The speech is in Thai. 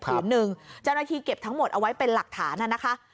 ผืนหนึ่งเจ้าหน้าที่เก็บทั้งหมดเอาไว้เป็นหลักฐานน่ะนะคะ